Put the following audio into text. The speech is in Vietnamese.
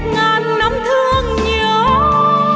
ngàn năm thương nhớ đợi chờ người ơi